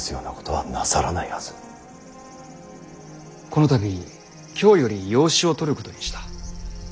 この度京より養子を取ることにした。